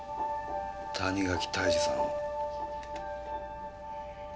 谷垣泰治さんを。